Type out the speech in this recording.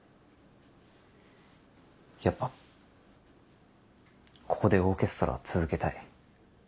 やっぱここでオーケストラ続けたい。